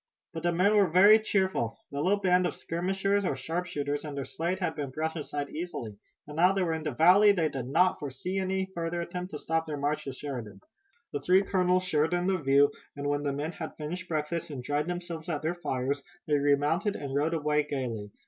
But the men were very cheerful. The little band of skirmishers or sharpshooters under Slade had been brushed aside easily, and now that they were in the valley they did not foresee any further attempt to stop their march to Sheridan. The three colonels shared in the view, and when the men had finished breakfast and dried themselves at their fires they remounted and rode away gaily.